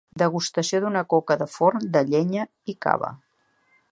Degustació d'una coca de forn de llenya i cava.